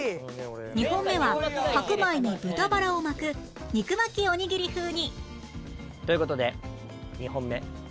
２本目は白米に豚バラを巻く肉巻きおにぎり風にという事で。